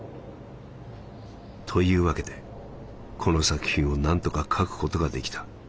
「というわけでこの作品を何とか書くことが出来た。